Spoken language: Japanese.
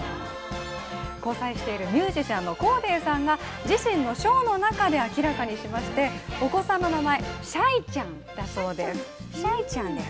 交際しているミュージシャンのコーデーさんが自身のショーの中で明らかにしまして、お子さんの名前、シャイちゃんだそうです。